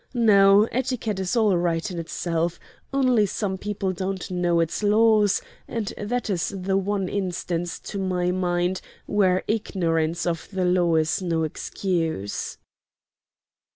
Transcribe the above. No; etiquette is all right in itself, only some people don't know its laws, and that is the one instance to my mind where ignorance of the law is no excuse."